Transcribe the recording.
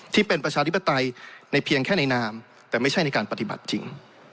ประชาธิปไตยในเพียงแค่ในนามแต่ไม่ใช่ในการปฏิบัติจริง